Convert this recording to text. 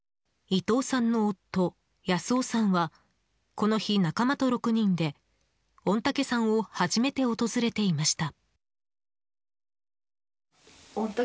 伊藤さんの夫・保男さんはこの日、仲間と６人で御嶽山を初めて訪れていました。